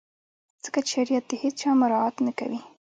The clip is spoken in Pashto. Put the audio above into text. ځکه چي شریعت د هیڅ چا مراعات نه کوي.